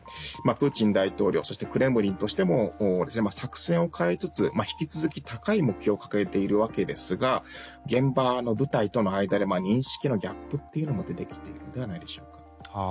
プーチン大統領そしてクレムリンとしても作戦を変えつつ引き続き高い目標を掲げているわけですが現場の部隊との間で認識のギャップというのも出てきているのではないでしょうか。